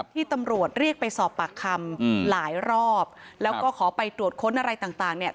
ที่ตำรวจเรียกไปสอบปากคำหลายรอบแล้วก็ขอไปตรวจค้นอะไรต่างต่างเนี่ย